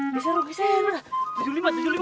lihat di sini di sini